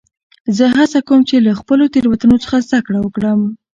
زه هڅه کوم، چي له خپلو تیروتنو څخه زدکړم وکړم.